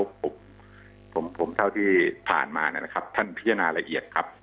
ผมผมเท่าที่ผ่านมานะครับท่านพิจารณาละเอียดครับ